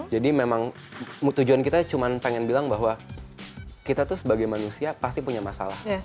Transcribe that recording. jadi memang tujuan kita cuma pengen bilang bahwa kita tuh sebagai manusia pasti punya masalah